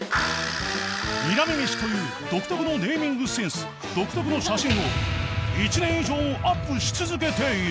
［睨み飯という独特のネーミングセンス独特の写真を１年以上アップし続けている］